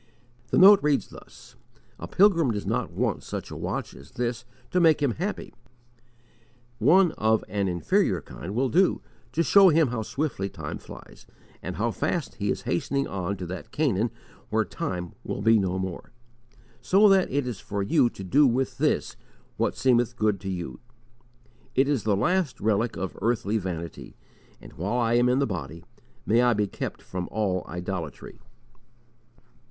The note reads thus: "A pilgrim does not want such a watch as this to make him happy; one of an inferior kind will do to show him how swiftly time flies, and how fast he is hastening on to that Canaan where time will be no more: so that it is for you to do with this what it seemeth good to you. It is the last relic of earthly vanity, and, while I am in the body, may I be kept from all idolatry!"